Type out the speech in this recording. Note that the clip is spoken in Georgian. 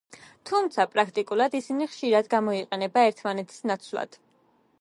თუმცა, პრაქტიკულად, ისინი ხშირად გამოიყენება ერთმანეთის ნაცვლად.